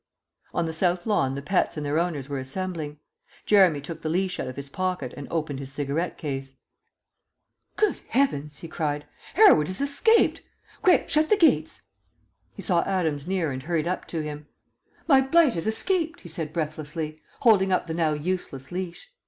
On the south lawn the pets and their owners were assembling. Jeremy took the leash out of his pocket and opened his cigarette case. "Good heavens!" he cried. "Hereward has escaped! Quick! Shut the gates!" He saw Adams near and hurried up to him. "My blight has escaped," he said breathlessly, holding up the now useless leash.